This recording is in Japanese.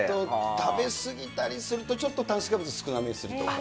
食べ過ぎたりすると、ちょっと炭水化物少なめにするとか。